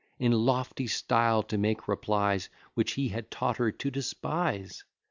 In lofty style to make replies, Which he had taught her to despise?